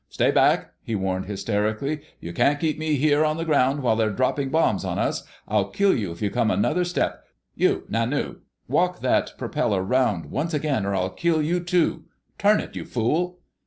"Stay back!" he warned hysterically. "You can't keep me here on the ground while they're dropping bombs on us. I'll kill you if you come another step.... You, Nanu—walk that propeller around once again, or I'll kill you, too. _Turn it, you fool!